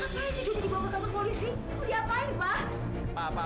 apaan sih jody dibawa ke kamar polisi